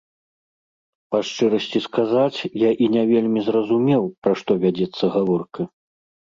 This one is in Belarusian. Па шчырасці сказаць, я і не вельмі зразумеў, пра што вядзецца гаворка.